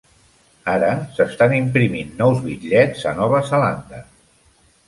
Ara s'estan imprimint nous bitllets a Nova Zelanda.